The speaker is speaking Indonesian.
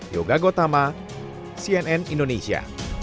yoga gotama cnn indonesia